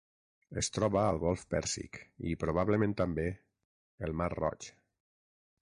Es troba al golf Pèrsic i, probablement també, el mar Roig.